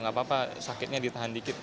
gak apa apa sakitnya ditahan dikit